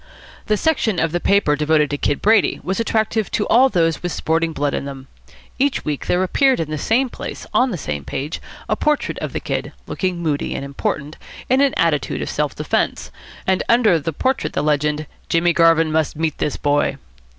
The section of the paper devoted to Kid Brady was attractive to all those with sporting blood in them. Each week there appeared in the same place on the same page a portrait of the Kid, looking moody and important, in an attitude of self defence, and under the portrait the legend, "Jimmy Garvin must meet this boy."